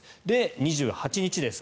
２８日です